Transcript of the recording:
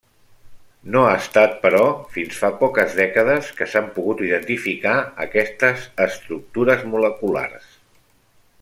No ha estat, però, fins fa poques dècades que s'han pogut identificar aquestes estructures moleculars.